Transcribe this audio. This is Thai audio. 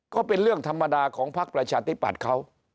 ก็เป็นเรื่องธรรมดาของพักประชาธิปัตย์เขา